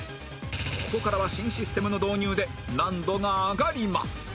ここからは新システムの導入で難度が上がります